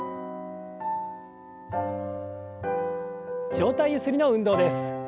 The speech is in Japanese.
上体ゆすりの運動です。